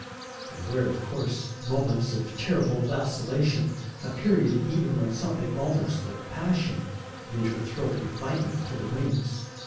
There were of course moments of terrible vacillation, a period even when something almost like passion bid her throw refinement to the winds.